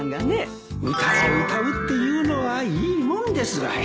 歌を歌うっていうのはいいもんですわい